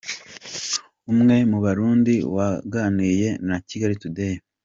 Umwe mu Barundi waganiye na kigalitoday.